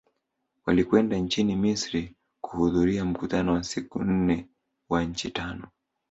Walikwenda nchini Misri kuhudhuria mkutano wa siku nne wa nchi tano